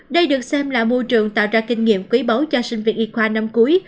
đây được xem là môi trường tạo ra kinh nghiệm quý báu cho sinh viên y khoa năm cuối